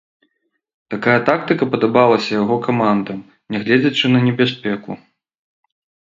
Такая тактыка падабалася яго камандам, нягледзячы на небяспеку.